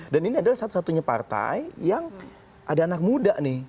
dan ini adalah satu satunya partai yang ada anak muda nih